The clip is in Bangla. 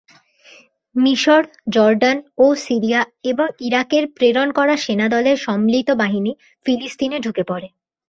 মিশর, জর্ডান ও সিরিয়া এবং ইরাকের প্রেরণ করা সেনাদলের সম্মিলিত বাহিনী ফিলিস্তিনে ঢুকে পড়ে।